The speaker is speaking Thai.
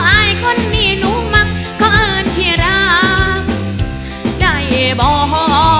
อายคนดีหนูมักเขาเอิญที่รักได้ยับบ่